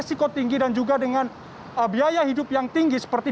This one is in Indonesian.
selain itu terjadi ricc waktu penyelesaian